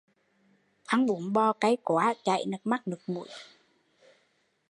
Ăn bún bò cay quá bị chảy nước mắt nước mũi